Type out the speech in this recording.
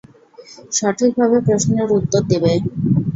সঠিকভাবে প্রশ্নের উত্তর দিবে।